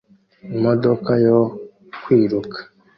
Imodoka yo kwiruka